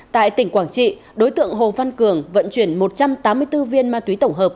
tại tỉnh quảng trị đối tượng hồ văn cường vận chuyển một trăm tám mươi bốn viên ma túy tổng hợp